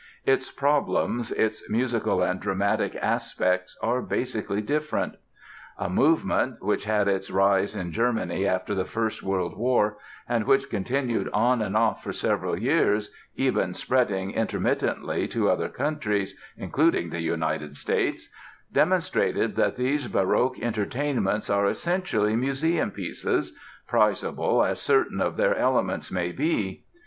Its problems, its musical and dramatic aspects are basically different. A movement, which had its rise in Germany after the First World War and which continued on and off for several years (even spreading intermittently to other countries, including the United States) demonstrated that these baroque entertainments are essentially museum pieces, prizable as certain of their elements may be.